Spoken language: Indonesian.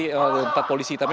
tempat polisi hitamnya